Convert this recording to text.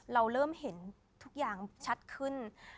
เราเริ่มเห็นทุกอย่างชัดขึ้น